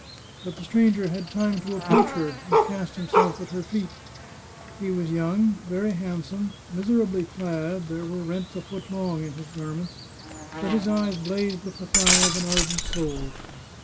But the stranger had time to approach her, and cast himself at her feet. He was The Chartreuse of Parma young, very handsome, miserably clad — there were rents a foot long in his garments — but his eyes blazed with the fire of an ardent soul.